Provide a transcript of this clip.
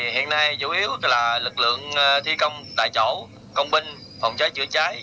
hiện nay chủ yếu là lực lượng thi công tại chỗ công binh phòng cháy chữa cháy